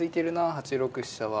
８六飛車は。